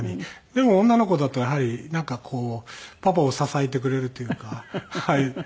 でも女の子だとやはりなんかこうパパを支えてくれるというか。